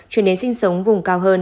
chuyển đến sinh sống vùng cao hơn